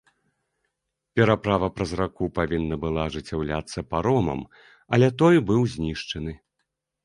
Пераправа праз раку павінна была ажыццяўляцца паромам, але той быў знішчаны.